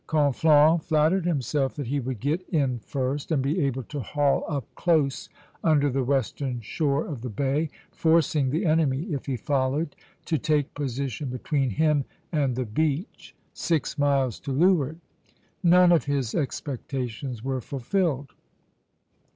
Conflans flattered himself that he would get in first and be able to haul up close under the western shore of the bay, forcing the enemy, if he followed, to take position between him and the beach, six miles to leeward. None of his expectations were fulfilled.